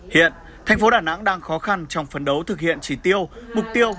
hiện tp đà nẵng đang khó khăn trong phấn đấu thực hiện trí tiêu mục tiêu